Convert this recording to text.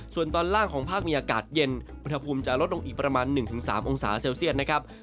ส่วนตอนล่างของภาคมีอากาศเย็นอุณหภูมิจะลดลงอีกประมาณ๑๓องศาเซลเซียตนะครับ